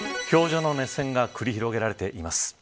氷上の熱戦が繰り広げられています。